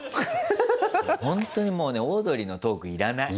ほんとにもうねオードリーのトーク要らない。